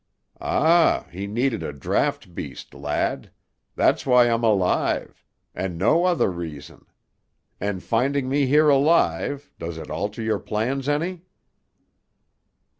"Ah, he needed a draft beast, lad; that's why I'm alive, and no other reason. And finding me here alive, does it alter your plans any?"